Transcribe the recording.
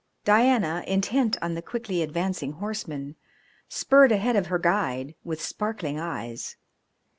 Diana, intent on the quickly advancing horsemen, spurred ahead of her guide with sparkling eyes.